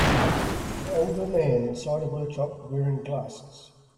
A older man inside a workshop wearing glasses.